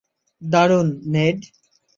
দারুণ, নেড!